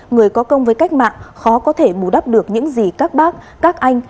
người có công với cách mạng khó có thể bù đắp được những gì các bác các anh